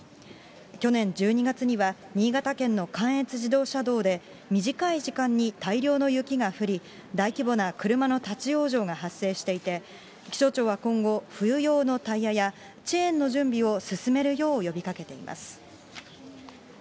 去年１２月には、新潟県の関越自動車道で短い時間に大量の雪が降り、大規模な車の立ち往生が発生していて、気象庁は今後、冬用のタイヤや、チェーンの準備を進めるよう呼びかけています。